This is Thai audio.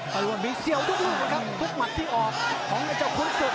ก็รวมมีเซียลทุกคนครับทุกมัดที่ออกของไอ้เจ้าคุณศึก